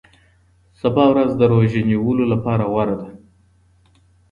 سبا ورځ د روژې نیولو لپاره غوره ده.